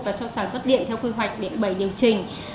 và cho sản xuất điện theo quy hoạch để bày điều trình